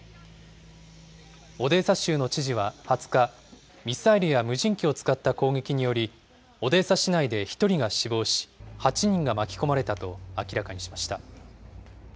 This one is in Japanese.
オデーサ州の知事は２０日、ミサイルや無人機を使った攻撃により、オデーサ市内で１人が死亡し、８人が巻き込まれたと明らかにしました。